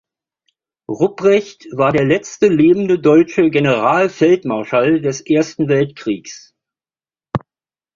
Rupprecht war der letzte lebende deutsche Generalfeldmarschall des Ersten Weltkriegs.